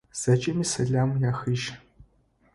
Зэкӏэмэ сэлам яхыжь.